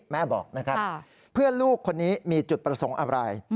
แม่บอกนะครับเพื่อนลูกคนนี้มีจุดประสงค์อะไร